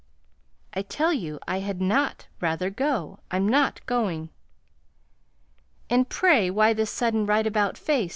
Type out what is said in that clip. "I tell you I had NOT rather go. I'm not going." "And, pray, why this sudden right about face?"